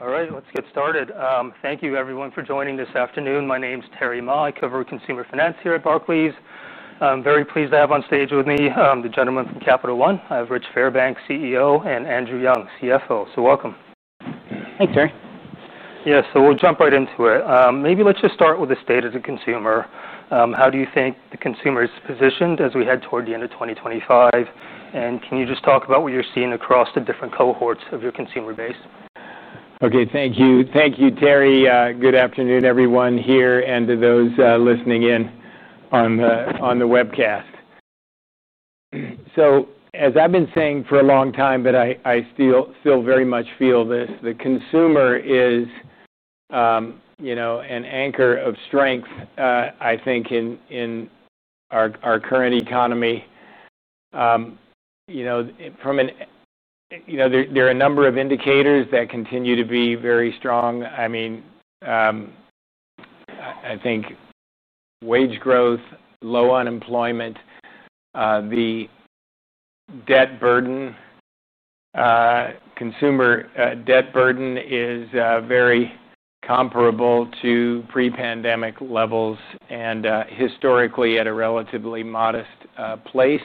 All right, let's get started. Thank you, everyone, for joining this afternoon. My name is Terry Ma. I cover consumer finance here at Barclays. I'm very pleased to have on stage with me the gentlemen from Capital One. I have Rich Fairbank, CEO, and Andrew Young, CFO. Welcome. Thanks, Terry. Yeah, we'll jump right into it. Maybe let's just start with the state as a consumer. How do you think the consumer is positioned as we head toward the end of 2025? Can you just talk about what you're seeing across the different cohorts of your consumer base? Okay, thank you. Thank you, Terry. Good afternoon, everyone here, and to those listening in on the webcast. As I've been saying for a long time, I still very much feel that the consumer is an anchor of strength, I think, in our current economy. There are a number of indicators that continue to be very strong. I think wage growth, low unemployment, the consumer debt burden is very comparable to pre-pandemic levels and historically at a relatively modest place.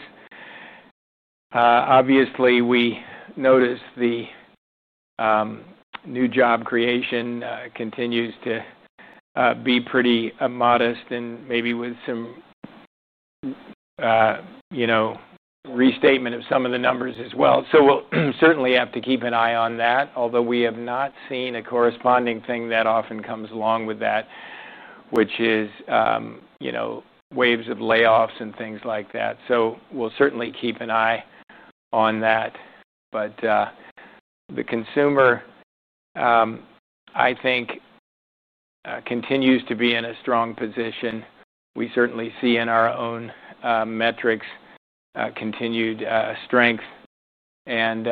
Obviously, we notice the new job creation continues to be pretty modest and maybe with some restatement of some of the numbers as well. We will certainly have to keep an eye on that, although we have not seen a corresponding thing that often comes along with that, which is waves of layoffs and things like that. We will certainly keep an eye on that. The consumer, I think, continues to be in a strong position. We certainly see in our own metrics continued strength, and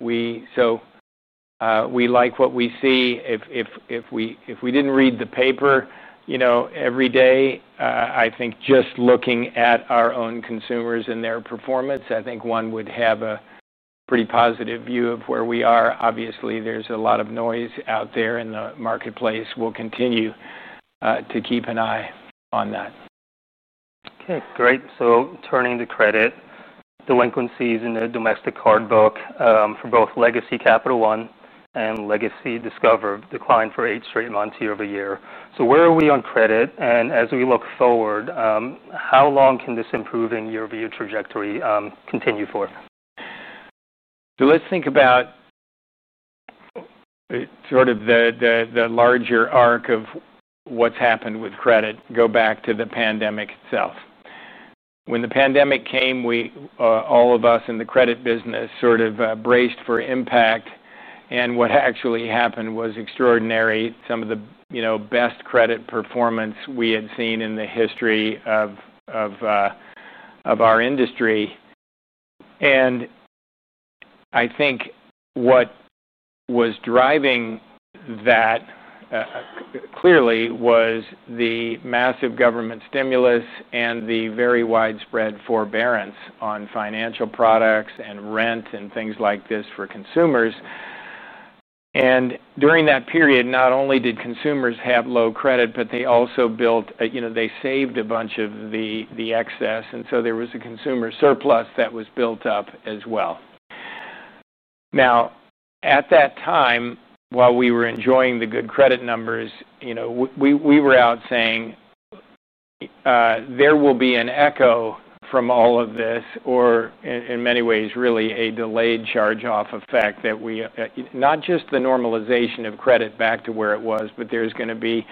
we like what we see. If we didn't read the paper every day, I think just looking at our own consumers and their performance, I think one would have a pretty positive view of where we are. Obviously, there's a lot of noise out there in the marketplace. We will continue to keep an eye on that. Okay, great. Turning to credit, delinquencies in the domestic hard book for both legacy Capital One and legacy Discover decline for eight straight months year over year. Where are we on credit? As we look forward, how long can this improving year-over-year trajectory continue for? Let's think about sort of the larger arc of what's happened with credit. Go back to the pandemic itself. When the pandemic came, we, all of us in the credit business, sort of braced for impact. What actually happened was extraordinary. Some of the best credit performance we had seen in the history of our industry. I think what was driving that clearly was the massive government stimulus and the very widespread forbearance on financial products and rent and things like this for consumers. During that period, not only did consumers have low credit, but they also built, you know, they saved a bunch of the excess. There was a consumer surplus that was built up as well. At that time, while we were enjoying the good credit numbers, we were out saying there will be an echo from all of this, or in many ways, really a delayed charge-off effect that we, not just the normalization of credit back to where it was, but there's going to be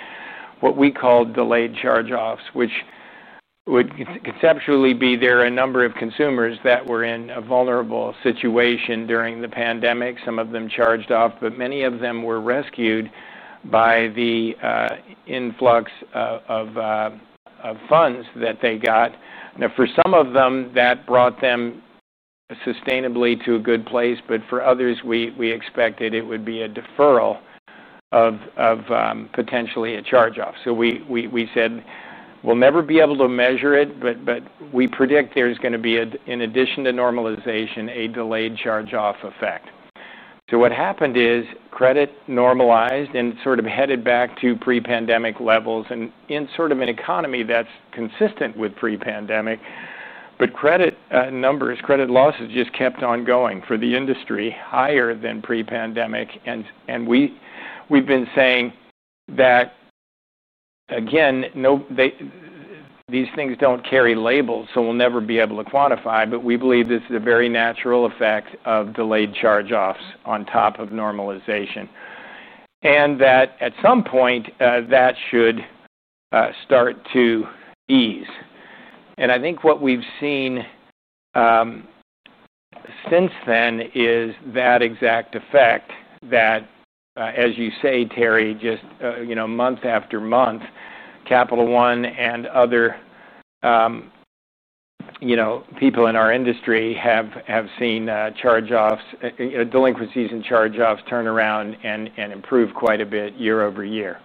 what we called delayed charge-offs, which would conceptually be there are a number of consumers that were in a vulnerable situation during the pandemic. Some of them charged off, but many of them were rescued by the influx of funds that they got. For some of them, that brought them sustainably to a good place, but for others, we expected it would be a deferral of potentially a charge-off. We said, we'll never be able to measure it, but we predict there's going to be, in addition to normalization, a delayed charge-off effect. What happened is credit normalized and sort of headed back to pre-pandemic levels and in sort of an economy that's consistent with pre-pandemic. Credit numbers, credit losses just kept on going for the industry, higher than pre-pandemic. We've been saying that, again, these things don't carry labels, so we'll never be able to quantify, but we believe this is a very natural effect of delayed charge-offs on top of normalization. At some point, that should start to ease. I think what we've seen since then is that exact effect that, as you say, Terry, just, you know, month after month, Capital One and other people in our industry have seen charge-offs, delinquencies and charge-offs turn around and improve quite a bit year over year.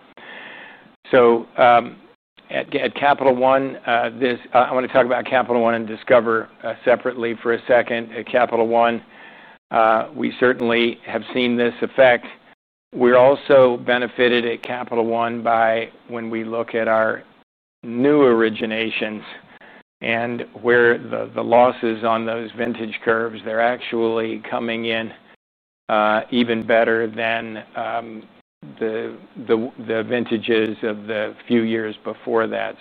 At Capital One, I want to talk about Capital One and Discover separately for a second. At Capital One, we certainly have seen this effect. We're also benefited at Capital One by, when we look at our new originations and where the losses on those vintage curves, they're actually coming in even better than the vintages of the few years before that.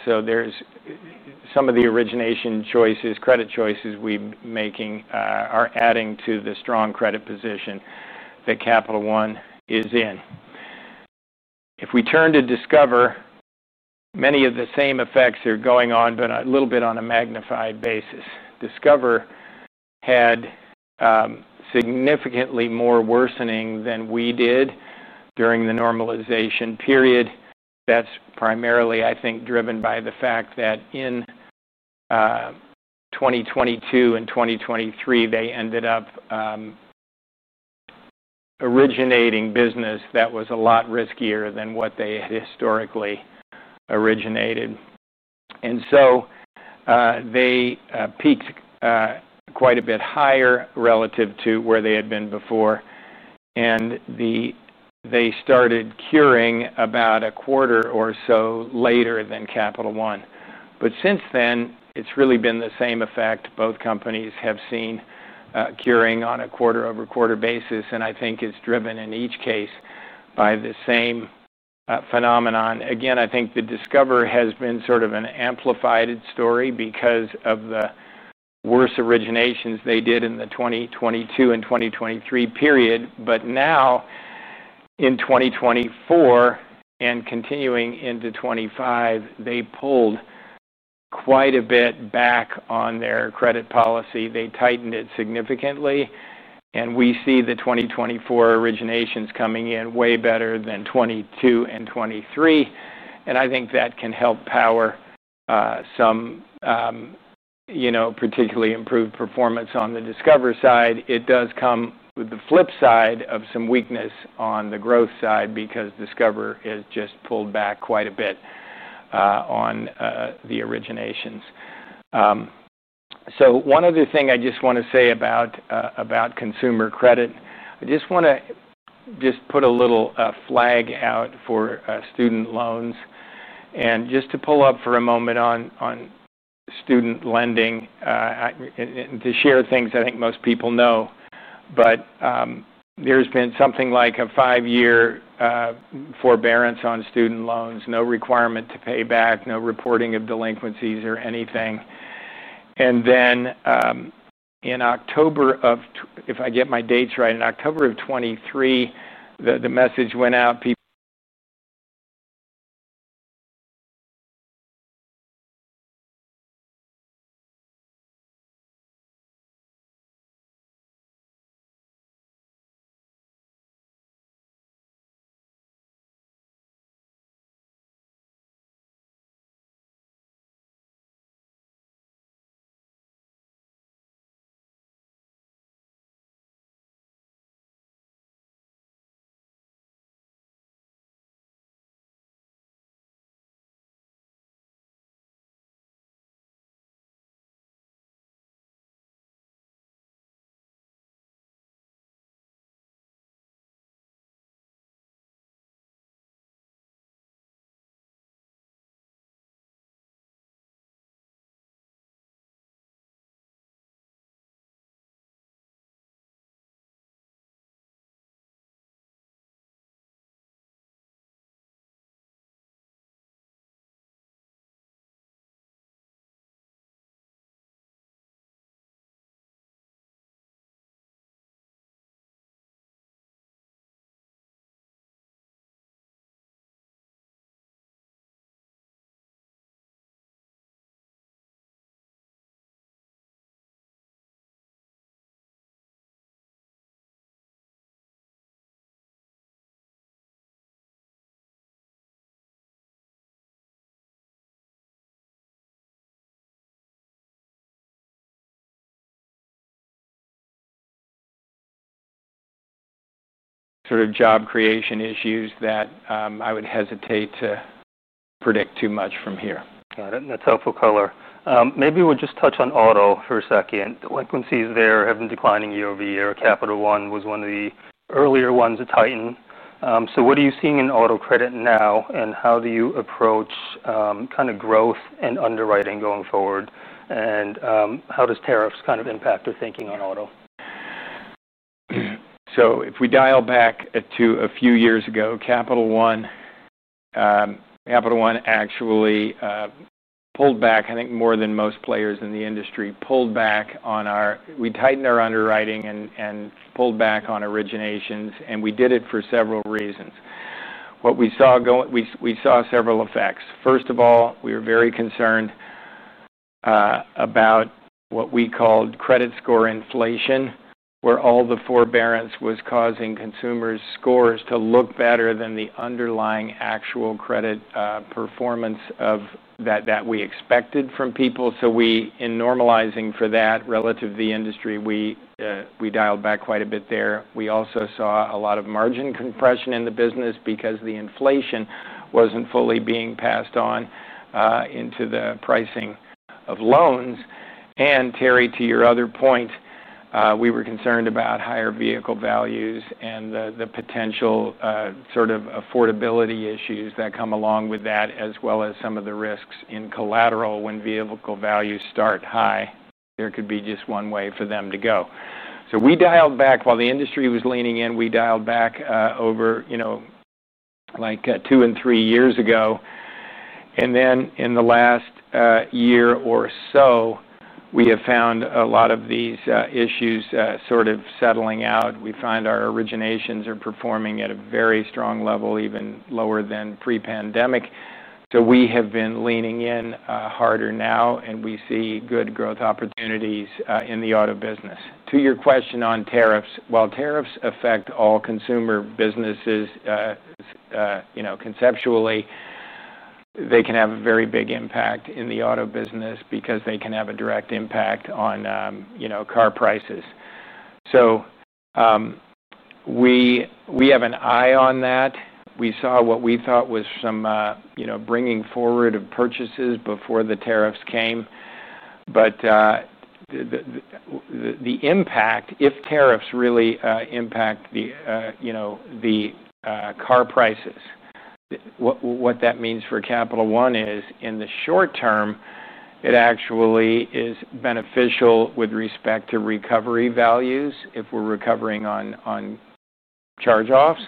Some of the origination choices, credit choices we're making are adding to the strong credit position that Capital One is in. If we turn to Discover, many of the same effects are going on, but a little bit on a magnified basis. Discover had significantly more worsening than we did during the normalization period. That's primarily, I think, driven by the fact that in 2022 and 2023, they ended up originating business that was a lot riskier than what they had historically originated. They peaked quite a bit higher relative to where they had been before. They started curing about a quarter or so later than Capital One. Since then, it's really been the same effect. Both companies have seen curing on a quarter-over-quarter basis. I think it's driven in each case by the same phenomenon. Again, I think Discover has been sort of an amplified story because of the worse originations they did in the 2022 and 2023 period. Now in 2024 and continuing into 2025, they pulled quite a bit back on their credit policy. They tightened it significantly. We see the 2024 originations coming in way better than '22 and '23. I think that can help power some, you know, particularly improved performance on the Discover side. It does come with the flip side of some weakness on the growth side because Discover has just pulled back quite a bit on the originations. One other thing I just want to say about consumer credit, I just want to just put a little flag out for student loans. Just to pull up for a moment on student lending and to share things I think most people know. There's been something like a five-year forbearance on student loans, no requirement to pay back, no reporting of delinquencies or anything. In October of, if I get my dates right, in October of 2023, the message went out. Current job creation issues that I would hesitate to predict too much from here. Got it. That's helpful, Carla. Maybe we'll just touch on auto for a second. Delinquencies there have been declining year over year. Capital One was one of the earlier ones that tightened. What are you seeing in auto credit now and how do you approach kind of growth and underwriting going forward? How does tariffs kind of impact your thinking on auto? If we dial back to a few years ago, Capital One actually pulled back, I think, more than most players in the industry, pulled back on our, we tightened our underwriting and pulled back on originations. We did it for several reasons. What we saw, we saw several effects. First of all, we were very concerned about what we called credit score inflation, where all the forbearance was causing consumers' scores to look better than the underlying actual credit performance that we expected from people. In normalizing for that relative to the industry, we dialed back quite a bit there. We also saw a lot of margin compression in the business because the inflation wasn't fully being passed on into the pricing of loans. Terry, to your other point, we were concerned about higher vehicle values and the potential sort of affordability issues that come along with that, as well as some of the risks in collateral when vehicle values start high. There could be just one way for them to go. We dialed back while the industry was leaning in. We dialed back over, you know, like two and three years ago. In the last year or so, we have found a lot of these issues sort of settling out. We find our originations are performing at a very strong level, even lower than pre-pandemic. We have been leaning in harder now, and we see good growth opportunities in the auto business. To your question on tariffs, while tariffs affect all consumer businesses, conceptually, they can have a very big impact in the auto business because they can have a direct impact on car prices. We have an eye on that. We saw what we thought was some bringing forward of purchases before the tariffs came. The impact, if tariffs really impact the car prices, what that means for Capital One is in the short term, it actually is beneficial with respect to recovery values if we're recovering on charge-offs.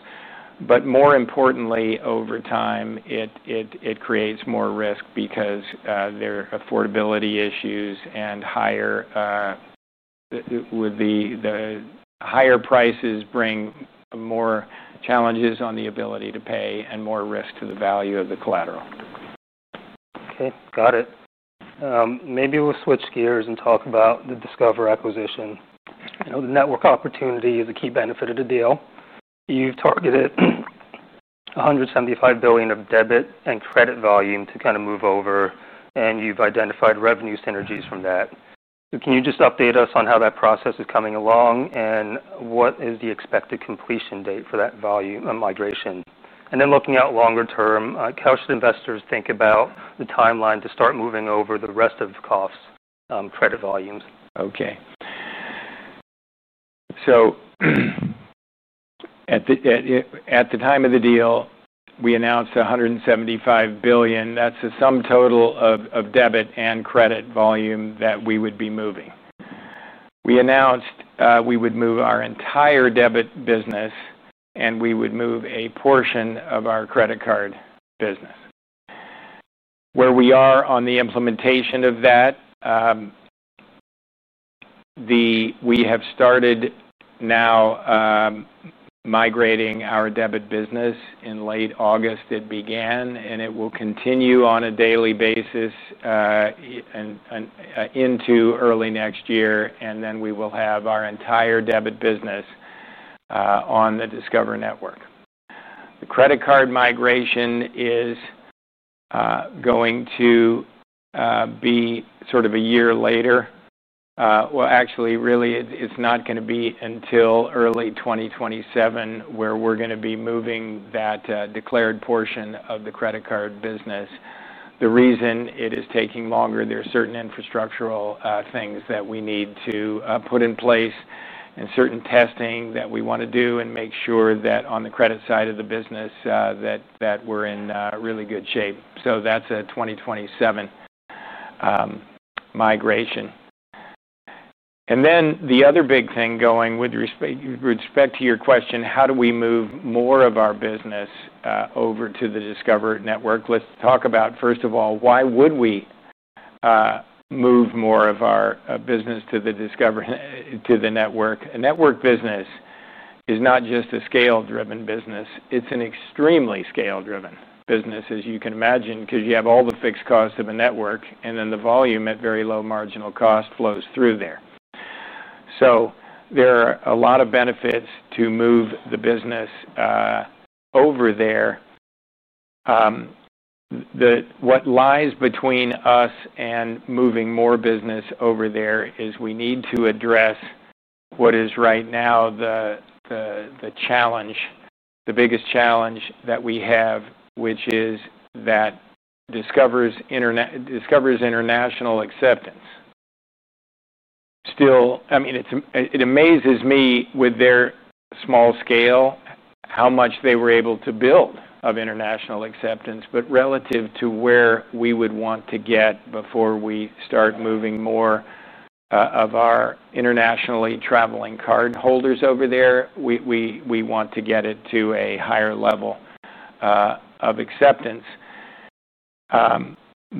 More importantly, over time, it creates more risk because there are affordability issues and higher prices bring more challenges on the ability to pay and more risk to the value of the collateral. Okay, got it. Maybe we'll switch gears and talk about the Discover acquisition. You know, the network opportunity is a key benefit of the deal. You've targeted $175 billion of debit and credit volume to kind of move over, and you've identified revenue synergies from that. Can you just update us on how that process is coming along and what is the expected completion date for that volume migration? Looking out longer term, how should investors think about the timeline to start moving over the rest of the costs, credit volumes? Okay. At the time of the deal, we announced $175 billion. That's a sum total of debit and credit volume that we would be moving. We announced we would move our entire debit business and we would move a portion of our credit card business. Where we are on the implementation of that, we have started now migrating our debit business. In late August, it began, and it will continue on a daily basis into early next year. We will have our entire debit business on the Discover Network. The credit card migration is going to be sort of a year later. Actually, it's not going to be until early 2027 where we're going to be moving that declared portion of the credit card business. The reason it is taking longer, there are certain infrastructural things that we need to put in place and certain testing that we want to do and make sure that on the credit side of the business that we're in really good shape. That's a 2027 migration. The other big thing going with respect to your question, how do we move more of our business over to the Discover Network? Let's talk about, first of all, why would we move more of our business to the Discover Network? A network business is not just a scale-driven business. It's an extremely scale-driven business, as you can imagine, because you have all the fixed costs of a network, and then the volume at very low marginal cost flows through there. There are a lot of benefits to move the business over there. What lies between us and moving more business over there is we need to address what is right now the challenge, the biggest challenge that we have, which is that Discover's international acceptance. Still, it amazes me with their small scale, how much they were able to build of international acceptance. Relative to where we would want to get before we start moving more of our internationally traveling card holders over there, we want to get it to a higher level of acceptance.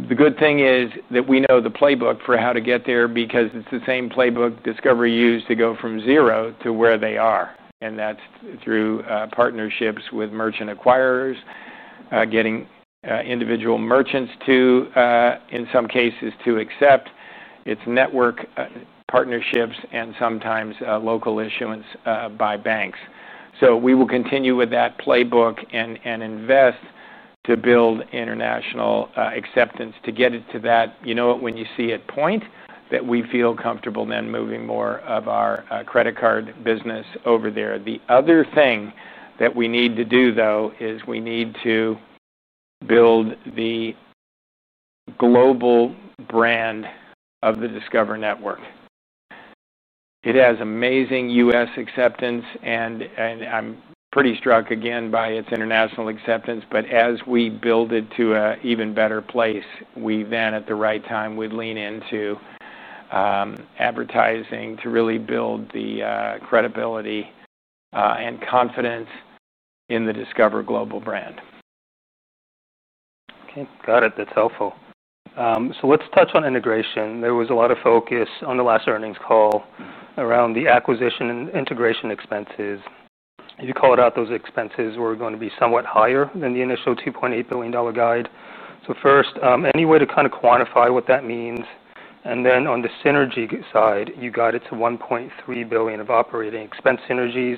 The good thing is that we know the playbook for how to get there because it's the same playbook Discover used to go from zero to where they are. That's through partnerships with merchant acquirers, getting individual merchants to, in some cases, to accept its network partnerships and sometimes local issuance by banks. We will continue with that playbook and invest to build international acceptance to get it to that, you know, when you see it point, that we feel comfortable then moving more of our credit card business over there. The other thing that we need to do is we need to build the global brand of the Discover Network. It has amazing U.S. acceptance, and I'm pretty struck again by its international acceptance. As we build it to an even better place, we then, at the right time, would lean into advertising to really build the credibility and confidence in the Discover global brand. Okay, got it. That's helpful. Let's touch on integration. There was a lot of focus on the last earnings call around the acquisition and integration expenses. If you call it out, those expenses were going to be somewhat higher than the initial $2.8 billion guide. First, any way to kind of quantify what that means? On the synergy side, you got it to $1.3 billion of operating expense synergies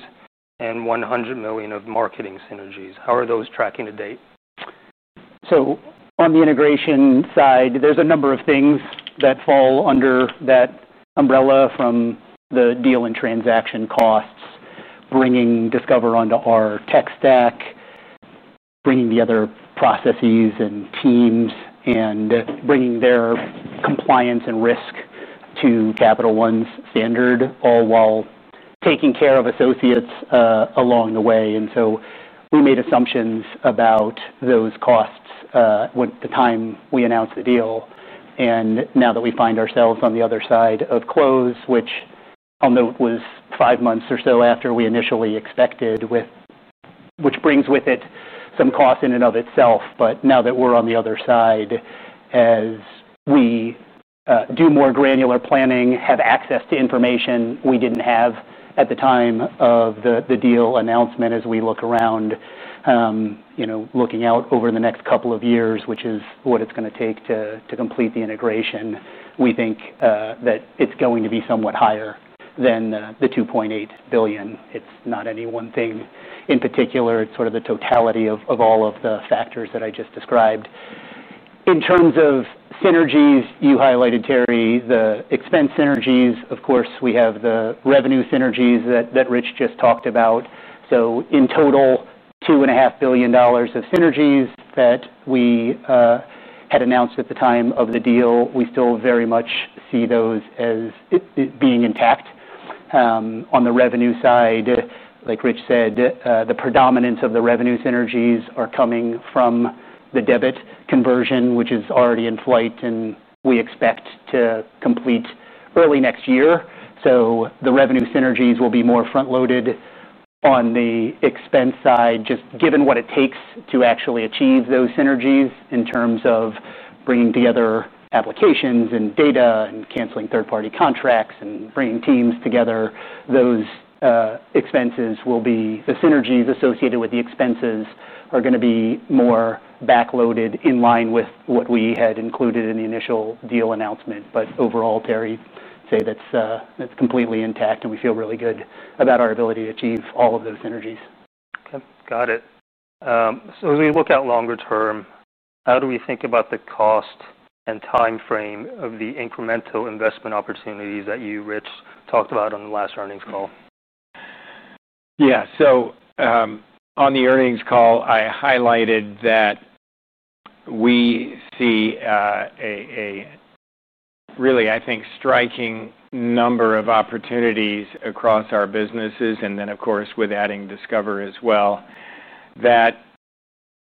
and $100 million of marketing synergies. How are those tracking to date? On the integration side, there's a number of things that fall under that umbrella from the deal and transaction costs, bringing Discover onto our tech stack, bringing the other processes and teams, and bringing their compliance and risk to Capital One's standard, all while taking care of associates along the way. We made assumptions about those costs at the time we announced the deal. Now that we find ourselves on the other side of close, which I'll note was five months or so after we initially expected, which brings with it some cost in and of itself. Now that we're on the other side, as we do more granular planning, have access to information we didn't have at the time of the deal announcement, as we look around, looking out over the next couple of years, which is what it's going to take to complete the integration, we think that it's going to be somewhat higher than the $2.8 billion. It's not any one thing in particular. It's sort of the totality of all of the factors that I just described. In terms of synergies, you highlighted, Terry, the expense synergies. Of course, we have the revenue synergies that Rich just talked about. In total, $2.5 billion of synergies that we had announced at the time of the deal, we still very much see those as being intact. On the revenue side, like Rich said, the predominance of the revenue synergies are coming from the debit conversion, which is already in flight and we expect to complete early next year. The revenue synergies will be more front-loaded. On the expense side, just given what it takes to actually achieve those synergies in terms of bringing together applications and data and canceling third-party contracts and bringing teams together, those expenses will be, the synergies associated with the expenses are going to be more back-loaded in line with what we had included in the initial deal announcement. Overall, Terry, that's completely intact and we feel really good about our ability to achieve all of those synergies. Okay, got it. As we look out longer term, how do we think about the cost and timeframe of the incremental investment opportunities that you, Rich, talked about on the last earnings call? Yeah, on the earnings call, I highlighted that we see a really, I think, striking number of opportunities across our businesses. Of course, with adding Discover as well,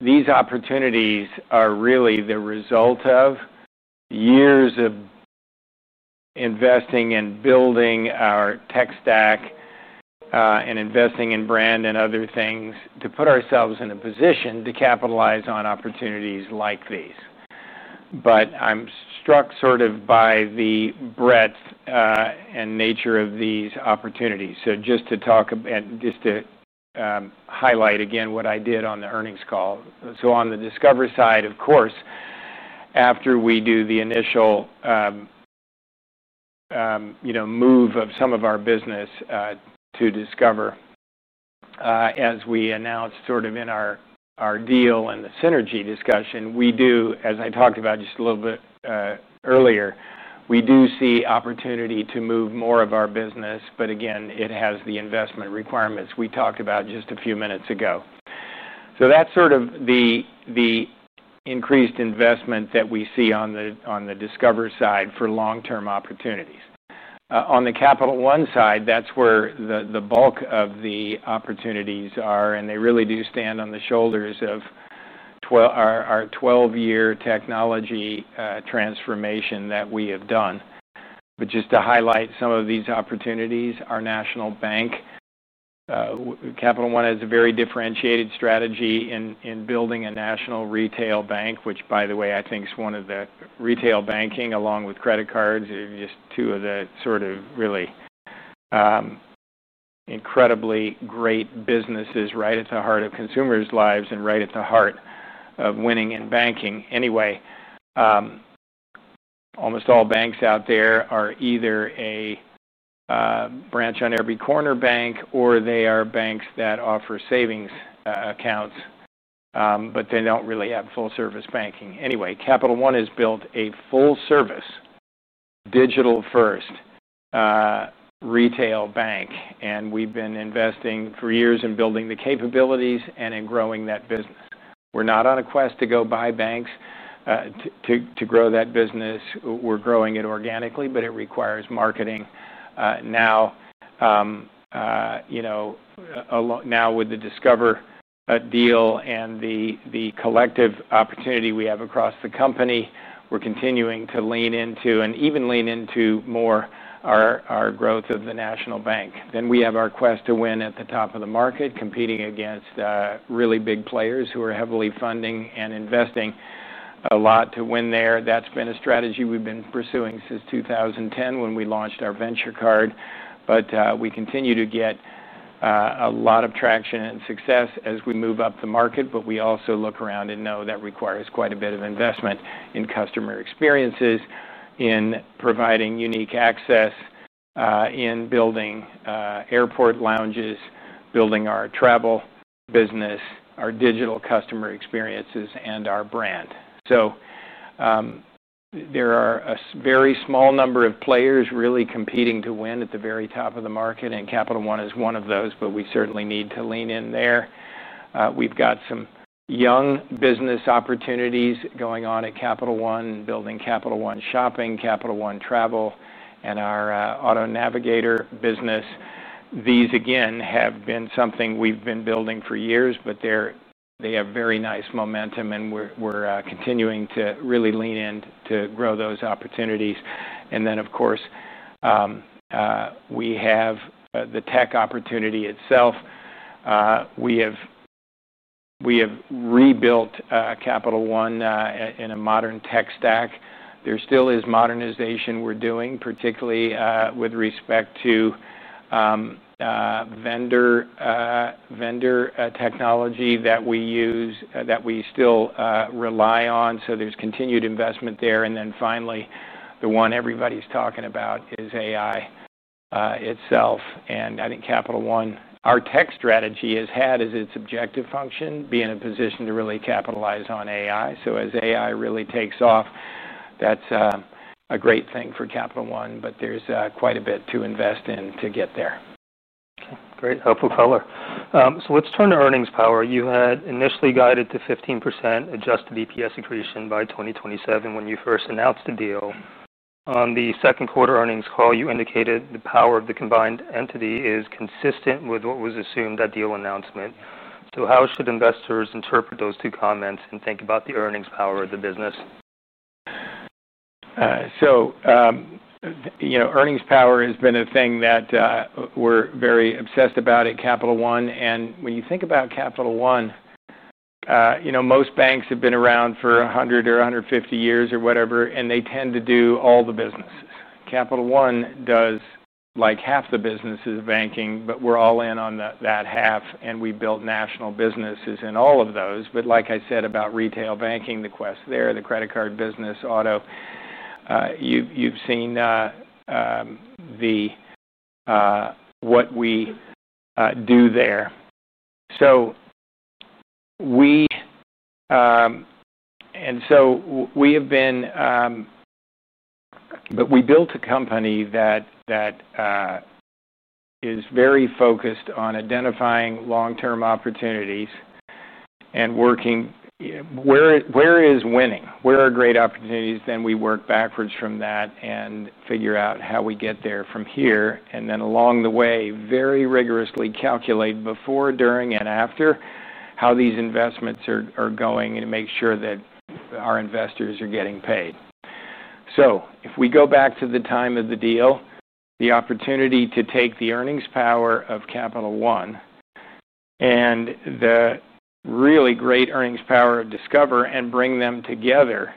these opportunities are really the result of years of investing and building our tech stack and investing in brand and other things to put ourselves in a position to capitalize on opportunities like these. I'm struck by the breadth and nature of these opportunities. Just to talk and highlight again what I did on the earnings call, on the Discover side, after we do the initial move of some of our business to Discover, as we announced in our deal and the synergy discussion, we do, as I talked about just a little bit earlier, see opportunity to move more of our business. It has the investment requirements we talked about just a few minutes ago. That's the increased investment that we see on the Discover side for long-term opportunities. On the Capital One side, that's where the bulk of the opportunities are, and they really do stand on the shoulders of our 12-year technology transformation that we have done. Just to highlight some of these opportunities, our national bank, Capital One has a very differentiated strategy in building a national retail bank, which, by the way, I think is one of the retail banking along with credit cards, just two of the really incredibly great businesses right at the heart of consumers' lives and right at the heart of winning in banking. Almost all banks out there are either a branch on every corner bank or they are banks that offer savings accounts, but they don't really have full-service banking. Capital One has built a full-service, digital-first retail bank, and we've been investing for years in building the capabilities and in growing that business. We're not on a quest to go buy banks to grow that business. We're growing it organically, but it requires marketing. Now, with the Discover deal and the collective opportunity we have across the company, we're continuing to lean into and even lean into more our growth of the national bank. We have our quest to win at the top of the market, competing against really big players who are heavily funding and investing a lot to win there. That's been a strategy we've been pursuing since 2010 when we launched our venture card. We continue to get a lot of traction and success as we move up the market. We also look around and know that requires quite a bit of investment in customer experiences, in providing unique access, in building airport lounges, building our travel business, our digital customer experiences, and our brand. There are a very small number of players really competing to win at the very top of the market, and Capital One is one of those, but we certainly need to lean in there. We've got some young business opportunities going on at Capital One, building Capital One Shopping, Capital One Travel, and our Auto Navigator business. These, again, have been something we've been building for years, but they have very nice momentum, and we're continuing to really lean in to grow those opportunities. Of course, we have the tech opportunity itself. We have rebuilt Capital One in a modern tech stack. There still is modernization we're doing, particularly with respect to vendor technology that we use, that we still rely on. There's continued investment there. Finally, the one everybody's talking about is AI itself. I think Capital One, our tech strategy has had as its objective function, being in a position to really capitalize on AI. As AI really takes off, that's a great thing for Capital One, but there's quite a bit to invest in to get there. Great, helpful, Carla. Let's turn to earnings power. You had initially guided to 15% adjusted EPS accretion by 2027 when you first announced the deal. On the second quarter earnings call, you indicated the power of the combined entity is consistent with what was assumed at deal announcement. How should investors interpret those two comments and think about the earnings power of the business? Earnings power has been a thing that we're very obsessed about at Capital One. When you think about Capital One, most banks have been around for 100 or 150 years or whatever, and they tend to do all the business. Capital One does like half the businesses of banking, but we're all in on that half, and we've built national businesses in all of those. Like I said about retail banking, the quest there, the credit card business, auto, you've seen what we do there. We have been, but we built a company that is very focused on identifying long-term opportunities and working where is winning, where are great opportunities. We work backwards from that and figure out how we get there from here. Along the way, very rigorously calculate before, during, and after how these investments are going and make sure that our investors are getting paid. If we go back to the time of the deal, the opportunity to take the earnings power of Capital One and the really great earnings power of Discover and bring them together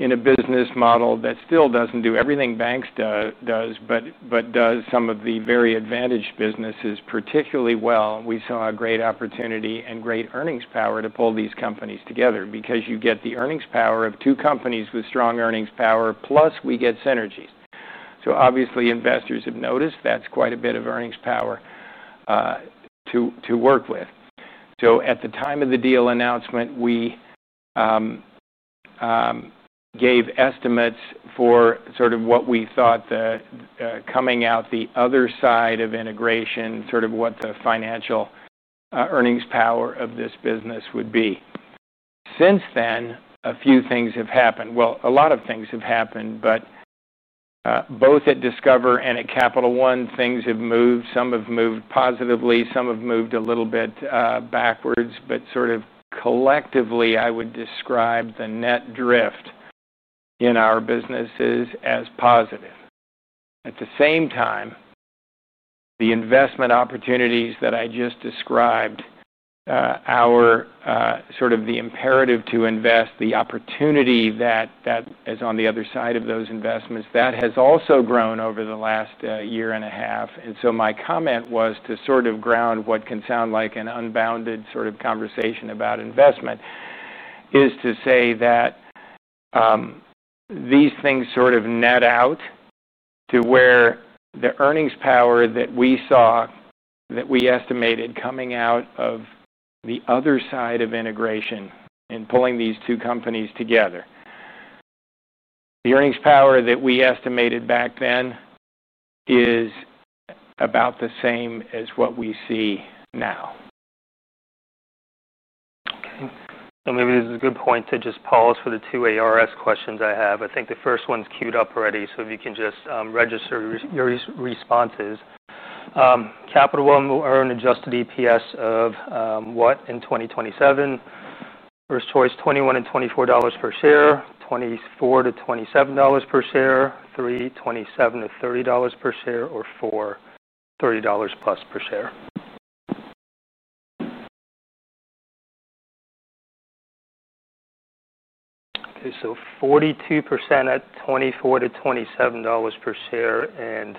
in a business model that still doesn't do everything banks do, but does some of the very advantaged businesses particularly well. We saw a great opportunity and great earnings power to pull these companies together because you get the earnings power of two companies with strong earnings power, plus we get synergies. Obviously, investors have noticed that's quite a bit of earnings power to work with. At the time of the deal announcement, we gave estimates for sort of what we thought the coming out the other side of integration, sort of what the financial earnings power of this business would be. Since then, a few things have happened. A lot of things have happened, but both at Discover and at Capital One, things have moved. Some have moved positively. Some have moved a little bit backwards, but sort of collectively, I would describe the net drift in our businesses as positive. At the same time, the investment opportunities that I just described, our sort of the imperative to invest, the opportunity that is on the other side of those investments, that has also grown over the last year and a half. My comment was to sort of ground what can sound like an unbounded sort of conversation about investment is to say that these things sort of net out to where the earnings power that we saw, that we estimated coming out of the other side of integration and pulling these two companies together. The earnings power that we estimated back then is about the same as what we see now. Okay. Maybe this is a good point to pause for the two ARS questions I have. I think the first one's queued up already. If you can just register your responses. Capital One will earn an adjusted EPS of what in 2027? First choice, $21 to $24 per share, $24 to $27 per share, $27 to $30 per share, or $30 plus per share. Okay, 42% at $24 to $27 per share and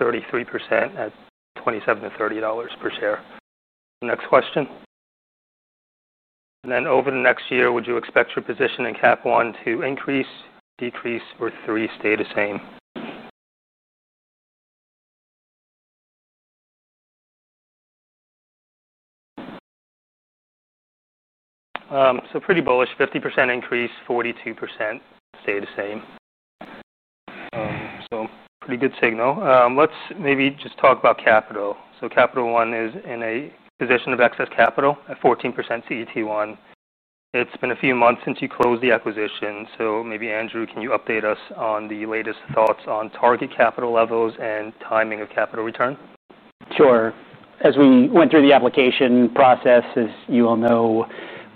33% at $27 to $30 per share. Next question. Over the next year, would you expect your position in Capital One to increase, decrease, or stay the same? Pretty bullish, 50% increase, 42% stay the same. Pretty good signal. Let's talk about capital. Capital One is in a position of excess capital at 14% CET1. It's been a few months since you closed the acquisition. Maybe Andrew, can you update us on the latest thoughts on target capital levels and timing of capital return? Sure. As we went through the application process, as you all know,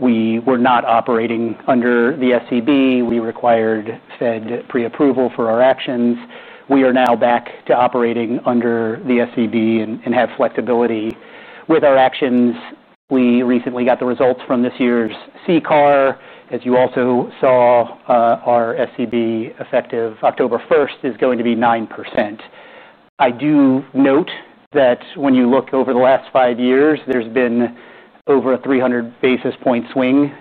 we were not operating under the SEB. We required Fed pre-approval for our actions. We are now back to operating under the SEB and have flexibility with our actions. We recently got the results from this year's CCAR. As you also saw, our SEB effective October 1 is going to be 9%. I do note that when you look over the last five years, there's been over a 300 basis point swing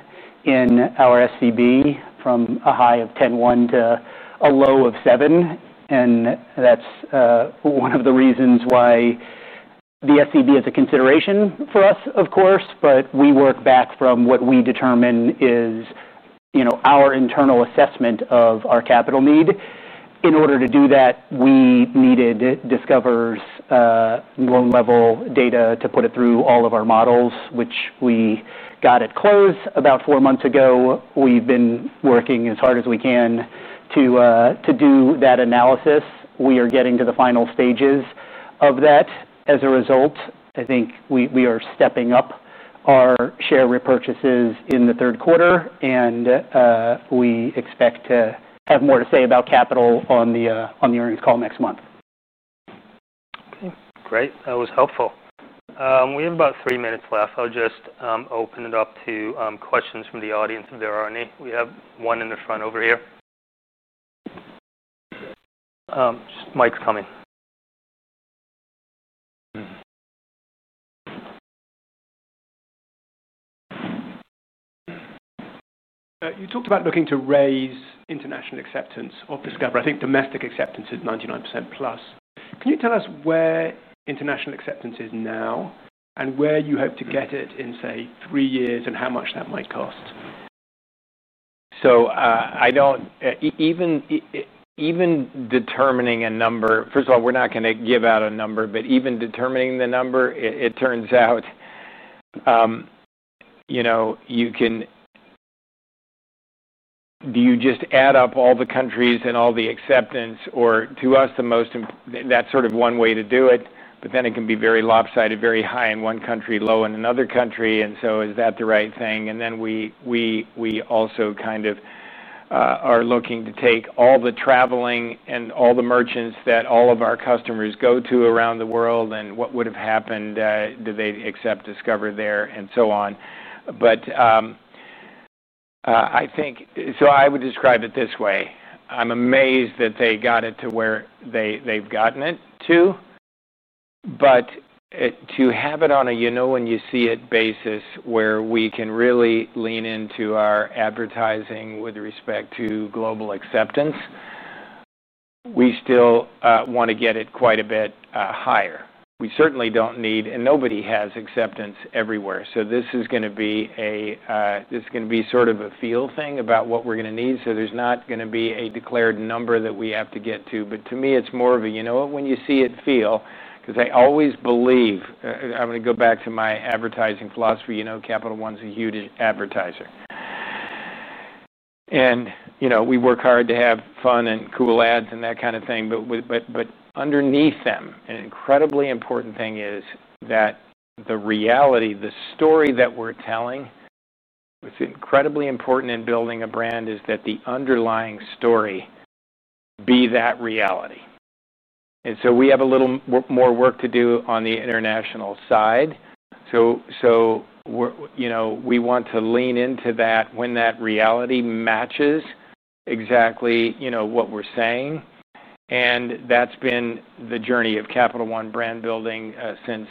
in our SEB from a high of 10.1% to a low of 7%. That's one of the reasons why the SEB is a consideration for us, of course, but we work back from what we determine is, you know, our internal assessment of our capital need. In order to do that, we needed Discover's loan level data to put it through all of our models, which we got close to about four months ago. We've been working as hard as we can to do that analysis. We are getting to the final stages of that. As a result, I think we are stepping up our share repurchases in the third quarter, and we expect to have more to say about capital on the earnings call next month. Great. That was helpful. We have about three minutes left. I'll just open it up to questions from the audience if there are any. We have one in the front over here. Mike's coming. You talked about looking to raise international acceptance of Discover. I think domestic acceptance is 99% plus. Can you tell us where international acceptance is now and where you hope to get it in, say, three years, and how much that might cost? I don't, even determining a number, first of all, we're not going to give out a number, but even determining the number, it turns out, you know, you can, do you just add up all the countries and all the acceptance, or to us, the most, that's sort of one way to do it, but then it can be very lopsided, very high in one country, low in another country. Is that the right thing? We also kind of are looking to take all the traveling and all the merchants that all of our customers go to around the world and what would have happened, do they accept Discover there and so on. I would describe it this way. I'm amazed that they got it to where they've gotten it to, but to have it on a, you know, when you see it basis where we can really lean into our advertising with respect to global acceptance, we still want to get it quite a bit higher. We certainly don't need, and nobody has acceptance everywhere. This is going to be sort of a feel thing about what we're going to need. There's not going to be a declared number that we have to get to, but to me, it's more of a, you know, when you see it feel, because I always believe, I'm going to go back to my advertising philosophy, you know, Capital One's a huge advertiser. We work hard to have fun and cool ads and that kind of thing, but underneath them, an incredibly important thing is that the reality, the story that we're telling, what's incredibly important in building a brand is that the underlying story be that reality. We have a little more work to do on the international side. We're, you know, we want to lean into that when that reality matches exactly, you know, what we're saying. That's been the journey of Capital One brand building since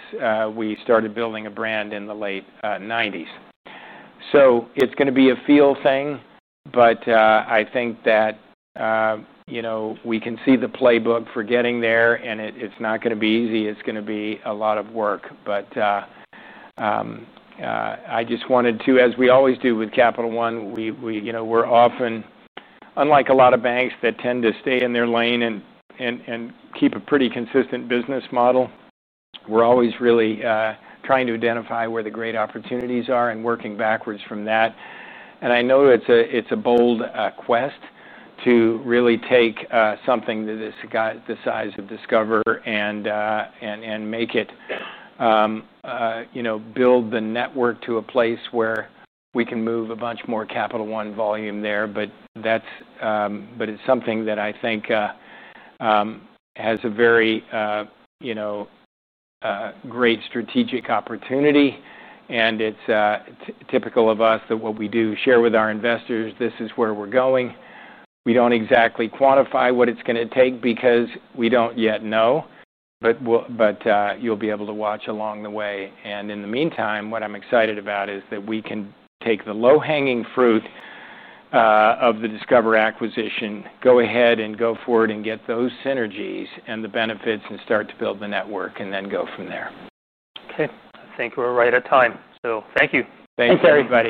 we started building a brand in the late 1990s. It's going to be a feel thing, but I think that, you know, we can see the playbook for getting there, and it's not going to be easy. It's going to be a lot of work. I just wanted to, as we always do with Capital One, we, you know, we're often, unlike a lot of banks that tend to stay in their lane and keep a pretty consistent business model, we're always really trying to identify where the great opportunities are and working backwards from that. I know it's a bold quest to really take something that has got the size of Discover and make it, you know, build the network to a place where we can move a bunch more Capital One volume there. That's something that I think has a very, you know, great strategic opportunity. It's typical of us that what we do share with our investors, this is where we're going. We don't exactly quantify what it's going to take because we don't yet know, but you'll be able to watch along the way. In the meantime, what I'm excited about is that we can take the low-hanging fruit of the Discover acquisition, go ahead and go forward and get those synergies and the benefits and start to build the network and then go from there. Okay, I think we're right at time. Thank you. Thank you very much.